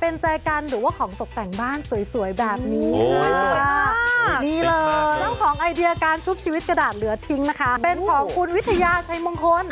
เป็นของคุณวิทยาชัยมงคล